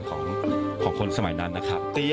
ของคนสมัยนั้นนะครับ